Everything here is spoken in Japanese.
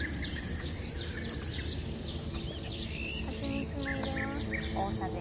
はちみつも入れます。